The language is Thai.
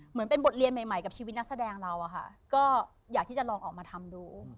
เหมือนเป็นบทเรียนใหม่กับชีวิตนักแสดงเราอะค่ะก็อยากที่จะลองออกมาทำดู